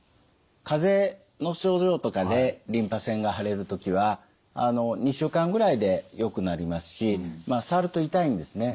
かぜの症状とかでリンパ腺が腫れる時は２週間ぐらいでよくなりますしまあ触ると痛いんですね。